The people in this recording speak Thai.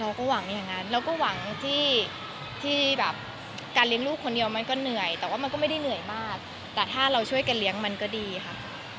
เราก็หวังอย่างนั้นเราก็หวังที่แบบการเลี้ยงลูกคนเดียวมันก็เหนื่อยแต่ว่ามันก็ไม่ได้เหนื่อยมากแต่ถ้าเราช่วยกันเลี้ยงมันก็ดีค่ะ